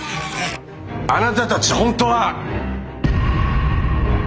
あなたたち本当は。